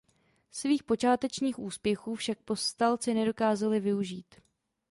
Svých počátečních úspěchů však povstalci nedokázali využít.